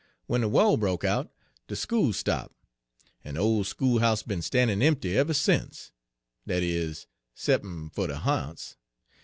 W'en de wah broke out, de school stop', en de ole school'ouse be'n stannin' empty ever sence, dat is, 'cep'n' fer de ha'nts.